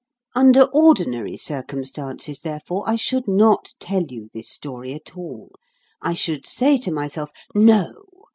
Under ordinary circumstances, therefore, I should not tell you this story at all. I should say to myself, "No!